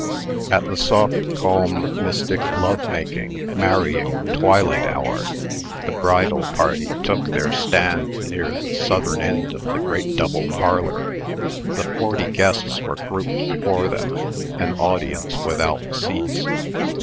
At the soft, calm, mystic, love making, marrying twilight hour, the bridal party took their stand near the southern end of the great double parlor. The forty guests were grouped before them, an audience without seats.